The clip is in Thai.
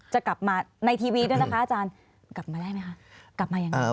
จะกลับมาในทีวีด้วยนะคะอาจารย์กลับมาได้ไหมคะกลับมายังไง